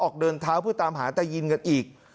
เดินเท้าเพื่อตามหาตายินกันอีก